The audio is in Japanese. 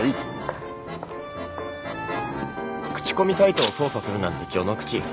口コミサイトを操作するなんて序の口。